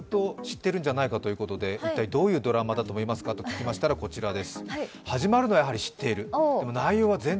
もしかしたら知っているんじゃないかということで、一体どういうドラマだと思いますかと聞いたら、こちらです。